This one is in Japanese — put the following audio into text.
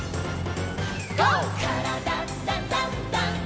「からだダンダンダン」